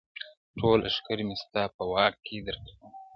ټول لښکر مي ستا په واک کي درکومه!!